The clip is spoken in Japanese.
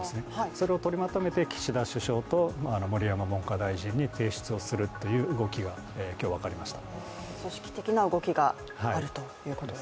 それを取りまとめて岸田首相と森山文科大臣に提出をするという動きが今日分かりました。